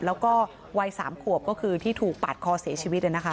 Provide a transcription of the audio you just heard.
แล้วก็วัย๓ขวบก็คือที่ถูกปาดคอเสียชีวิต